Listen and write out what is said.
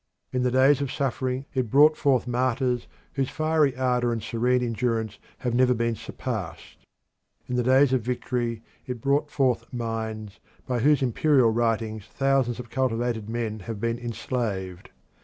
In the days of suffering it brought forth martyrs whose fiery ardour and serene endurance have never been surpassed. In the days of victory it brought forth minds by whose imperial writings thousands of cultivated men have been enslaved.